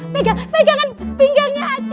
pegangan pinggangnya ajel